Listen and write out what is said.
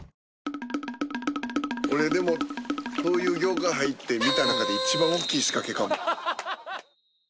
俺でもこういう業界入って見た中で一番大きい仕掛けかも。